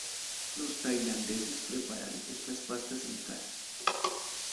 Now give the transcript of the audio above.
Los tailandeses preparan estas pastas en casa.